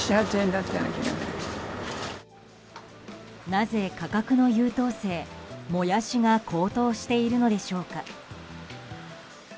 なぜ、価格の優等生モヤシが高騰しているのでしょうか。